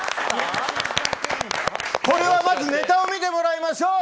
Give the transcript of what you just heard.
これはまずネタを見てもらいましょう。